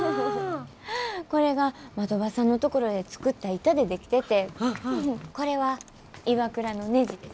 これが的場さんのところで作った板で出来ててこれはＩＷＡＫＵＲＡのねじです。